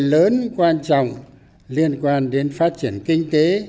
những vấn đề lớn quan trọng liên quan đến phát triển kinh tế